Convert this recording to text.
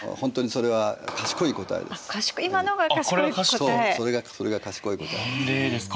それが賢い答えなんです。